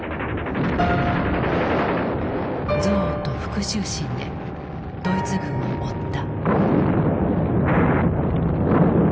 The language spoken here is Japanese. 「憎悪」と「復讐心」でドイツ軍を追った。